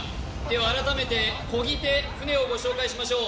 改めてこぎ手、船をご紹介しましょう。